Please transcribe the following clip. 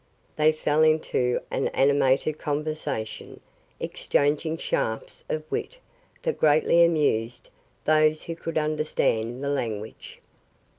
They fell into an animated conversation, exchanging shafts of wit that greatly amused those who could understand the language.